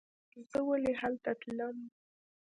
زه ولې هلته تلم.